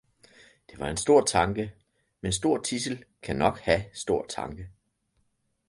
Det var en stor tanke, men stor tidsel kan nok have stor tanke.